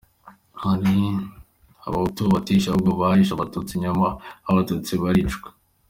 Hari abahutu batishe ahubwo bahishe abatutsi, nyuma abo bahutu baricwa.